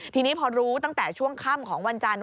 ทีนี้พอรู้ตั้งแต่ช่วงค่ำของวันจันทร์